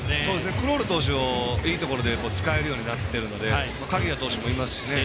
クロール投手をいいところで使えるようになってるので鍵谷投手もいますし。